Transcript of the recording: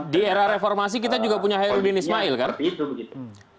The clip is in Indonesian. di era reformasi kita juga punya herudin ismail kan